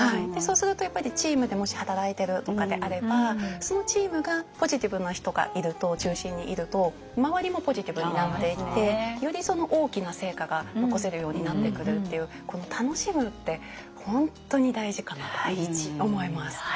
そうするとやっぱりチームでもし働いてるとかであればそのチームがポジティブな人が中心にいると周りもポジティブになっていってより大きな成果が残せるようになってくるっていうこの楽しむって本当に大事かなと思います。